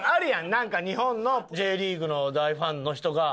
なんか日本のＪリーグの大ファンの人が。